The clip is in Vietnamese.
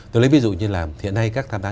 tôi lấy ví dụ như là hiện nay các tham gia